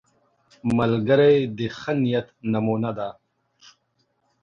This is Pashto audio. ملګری د ښه نیت نمونه ده